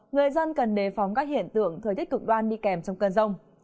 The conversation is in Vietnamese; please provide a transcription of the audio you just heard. người dân cần đề phóng các hiện tượng thời tiết cực đoan đi kèm trong cơn rông